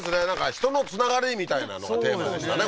人のつながりみたいなのがテーマでしたね